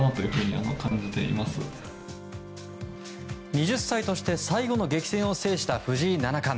２０歳として最後の激戦を制した藤井七冠。